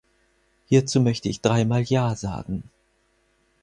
Hierzu möchte ich dreimal ja sagen.